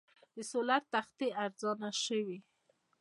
د سولر تختې ارزانه شوي؟